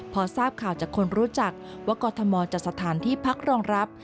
พอทราบข่าวจากคนรู้จักว่ากรทมจัดสถานที่พักรองรับ